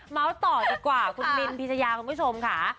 ต่อดีกว่าคุณมินพิชยาคุณผู้ชมค่ะ